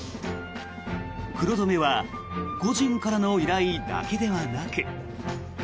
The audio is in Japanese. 黒染めは個人からの依頼だけではなく。